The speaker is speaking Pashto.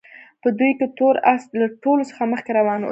په دوی کې تور اس له ټولو څخه مخکې روان وو.